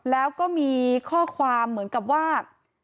แล้วก็มีข้อความเหมือนกับว่า